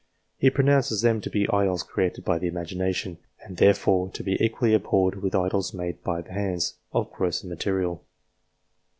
He pronounces them to be idols created by the imagination, and therefore to be equally abhorred with idols made by the hands, of grosser material.